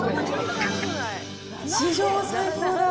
史上最高だ。